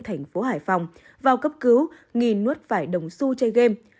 thành phố hải phòng vào cấp cứu nghìn nuốt phải đồng su chơi game